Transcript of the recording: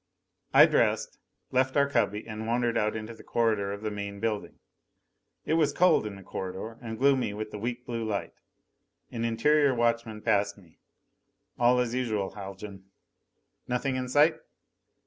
I dressed, left our cubby and wandered out into the corridor of the main building. It was cold in the corridor, and gloomy with the weak blue light. An interior watchman passed me. "All as usual, Haljan." "Nothing in sight?"